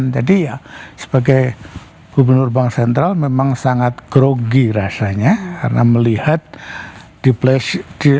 sepuluh jadi ya sebagai gubernur bank sentral memang sangat grogi rasanya karena melihat di flash di